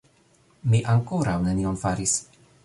Mi ankoraŭ nenion faris